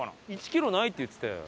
「１キロない」って言ってたよ。